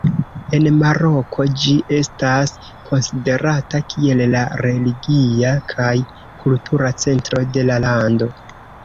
En Maroko ĝi estas konsiderata kiel la religia kaj kultura centro de la lando.